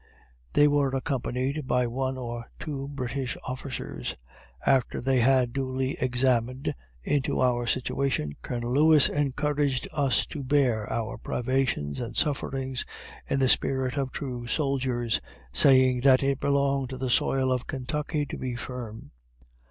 They were accompanied by one or two British officers. After they had duly examined into our situation, Colonel Lewis encouraged us to bear our privations and sufferings in the spirit of true soldiers saying "that it belonged to the soil of Kentucky to be firm."